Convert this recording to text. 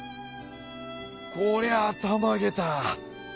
「こりゃあたまげた。